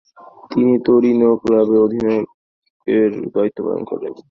তিনি তরিনো ক্লাবের অধিনায়কের দায়িত্ব পালন করতেন।